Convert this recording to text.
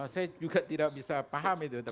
saya juga tidak bisa paham itu